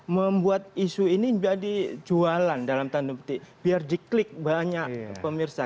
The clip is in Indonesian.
membuat isu ini jadi jualan dalam tanda petik biar diklik banyak pemirsa